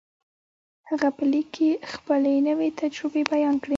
هغه په ليک کې خپلې نوې تجربې بيان کړې.